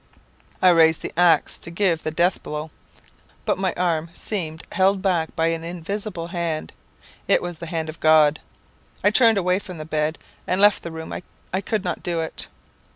I raised the axe to give the death blow, but my arm seemed held back by an invisible hand. It was the hand of God. I turned away from the bed, and left the room; I could not do it.